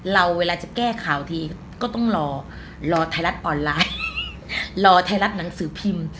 เวลาจะแก้ข่าวทีก็ต้องรอรอไทยรัฐออนไลน์รอไทยรัฐหนังสือพิมพ์